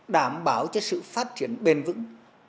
đảm bảo cho sự phát triển bền vững